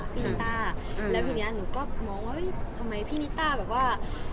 พี่นิต้าแล้วทีนี้หนูก็มองว่าเฮ้ยทำไมพี่นิต้าแบบว่า